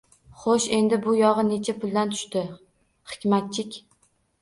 Xoʻsh, endi bu yogʻi necha puldan tushdi, Hikmatchik?